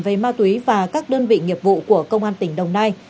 về ma túy và các đơn vị nghiệp vụ của công an tỉnh đồng nai